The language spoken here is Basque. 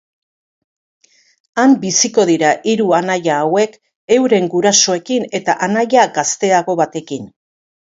Han biziko dira hiru anaia hauek euren gurasoekin eta anaia gazteago batekin.